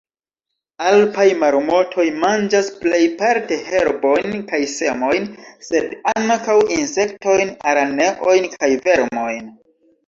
Alpaj marmotoj manĝas plejparte herbojn kaj semojn, sed ankaŭ insektojn, araneojn kaj vermojn.